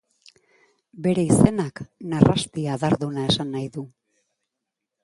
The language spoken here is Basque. Bere izenak narrasti adarduna esan nahi du.